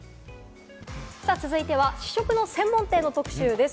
続いては試食の専門店の特集です。